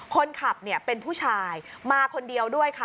คนขับเป็นผู้ชายมาคนเดียวด้วยค่ะ